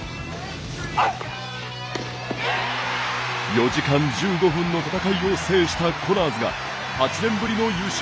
４時間１５分の戦いを制したコナーズが、８年ぶりの優勝。